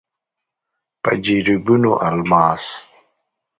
په جريبونو الماس.